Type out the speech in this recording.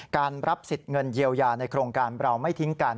รับสิทธิ์เงินเยียวยาในโครงการเราไม่ทิ้งกัน